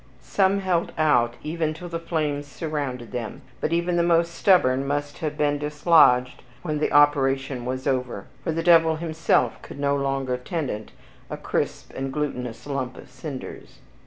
Some held out even till the flames surrounded them; but even the most stubborn must have been dislodged when the operation was over, for the devil himself could no longer tenant a crisp and glutinous lump of cinders.